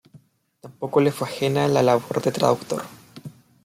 Tampoco le fue ajena la labor de traductor.